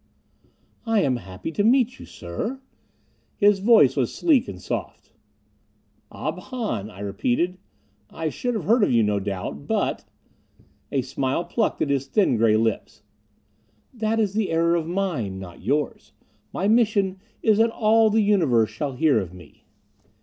"I am happy to meet you, sir." His voice was soft and sleek. "Ob Hahn," I repeated. "I should have heard of you, no doubt. But " A smile plucked at his thin, gray lips. "That is the error of mine, not yours. My mission is that all the universe shall hear of me."